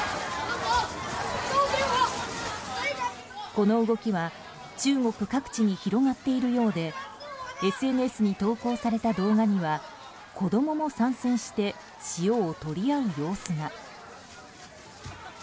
この動きは中国各地に広がっているようでＳＮＳに投稿された動画には子供も参戦して塩を取り合う様子が。